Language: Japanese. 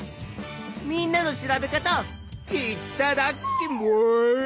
みんなの調べ方いっただきます！